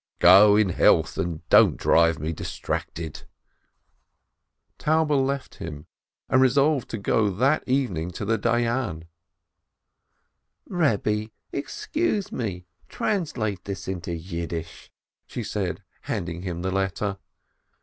"Go in health, and don't drive me distracted." Taube left him, and resolved to go that evening to the Dayan. "Rebbe, excuse me, translate this into Yiddish," she said, handing him the letter.